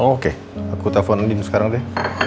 oke aku telfon andi sekarang deh